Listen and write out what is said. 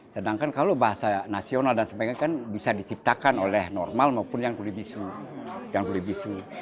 sedangkan kalau bahasa nasional dan sebagainya kan bisa diciptakan oleh normal maupun yang kuli bisu